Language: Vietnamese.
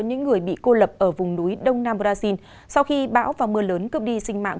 những người bị cô lập ở vùng núi đông nam brazil sau khi bão và mưa lớn cướp đi sinh mạng